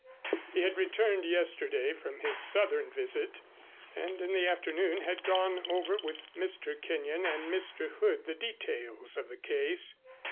He had returned yesterday from his southern visit, and in the afternoon had gone over, with Mr. Kenyon and Mr. Hood, the details of the case.